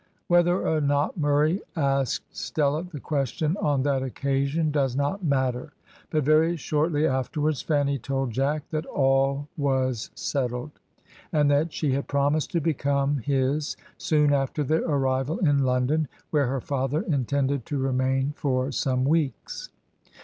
Whether or not Murray asked Stella the question on that occasion does not matter, but very shortly afterwards, Fanny told Jack that all was settled, and that she had promised to become his, soon after their arrival in London, where her father intended to remain for some weeks.